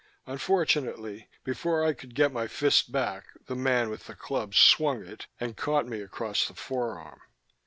Unfortunately, before I could get my fist back, the man with the club swung it and caught me across the forearm.